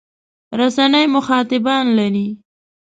رسنۍ مخاطبان لري.